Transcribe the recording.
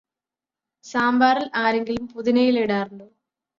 സാമ്പാറിൽ ആരെങ്കിലും പുതിനയില ഇടാറുണ്ടോ?